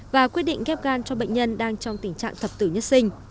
và quyết định ghép gan cho bệnh nhân đang trong tình trạng thập tử nhất sinh